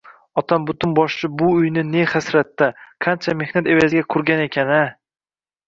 Otam butun boshli bu uyni ne hasratda, qancha mehnat evaziga qurgan ekan-a